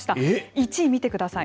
１位見てください。